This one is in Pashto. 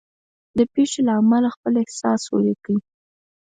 د پېښې له امله خپل احساس ولیکئ.